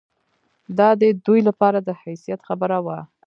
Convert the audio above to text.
دا د دوی لپاره د حیثیت خبره وه.